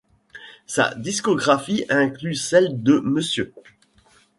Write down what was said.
Sa discographie inclut celle de Mr.